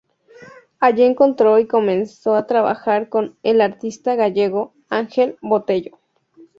Allí encontró y comenzó a trabajar con el artista gallego, Ángel Botello.